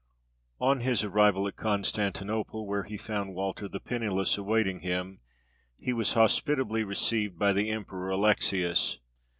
On his arrival at Constantinople, where he found Walter the Pennyless awaiting him, he was hospitably received by the Emperor Alexius.